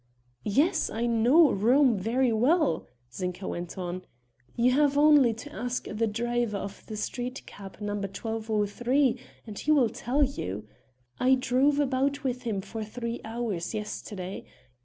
"Yes, I know Rome very well," Zinka went on: "You have only to ask the driver of the street cab No. 1203, and he will tell you. I drove about with him for three hours yesterday.